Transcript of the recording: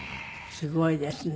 すごいですね。